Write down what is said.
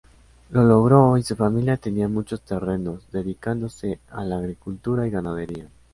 Lo logró y su familia tenía muchos terrenos, dedicándose a la agricultura y ganadería.